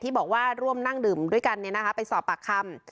ที่บอกว่าร่วมนั่งดื่มด้วยกันเนี่ยนะคะไปสอบปากคำ